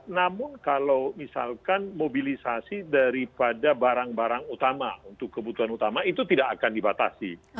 namun kalau misalkan mobilisasi daripada barang barang utama untuk kebutuhan utama itu tidak akan dibatasi